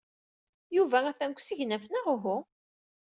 Yuba atan deg usegnaf, neɣ uhu?